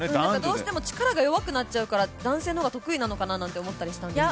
どうしても力が弱くなっちゃうから、男性の方が得意なのかなと思いますけど。